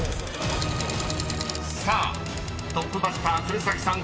［さあトップバッター鶴崎さん